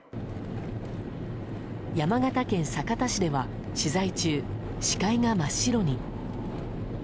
山形県酒田市では取材中、視界が真っ白に。